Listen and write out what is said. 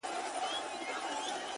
خو موږ د ګټي کار کي سراسر تاوان کړی دی؛